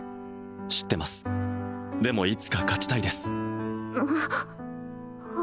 知ってますでもいつか勝ちたいです